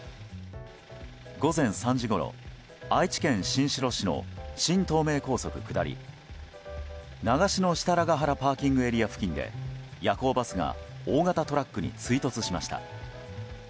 午前３時ごろ愛知県新城市の新東名高速下り長篠設楽原ＰＡ付近で夜行バスが大型トラックに追突しました。